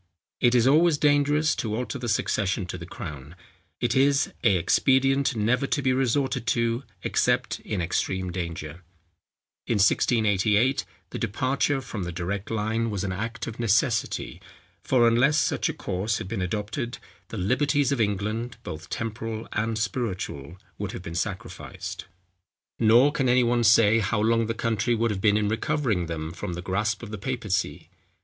It is always dangerous to alter the succession to the crown; it is a expedient never to be resorted to except in extreme danger. In 1688, the departure from the direct line was an act of necessity; for unless such a course had been adopted, the liberties of England, both temporal and spiritual, would have been sacrificed. Nor can any one say how long the country would have been in recovering them from the grasp of the papacy.